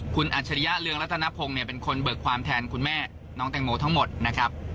คุณอัจฉริยะเรืองรัตนพงศ์เนี่ยเป็นคนเบิกความแทนคุณแม่น้องแตงโมทั้งหมดนะครับ